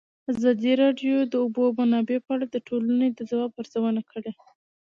ازادي راډیو د د اوبو منابع په اړه د ټولنې د ځواب ارزونه کړې.